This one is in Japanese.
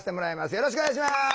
よろしくお願いします。